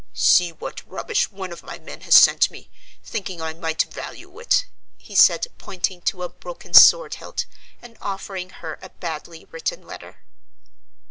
"See what rubbish one of my men has sent me, thinking I might value it," he said, pointing to a broken sword hilt and offering her a badly written letter.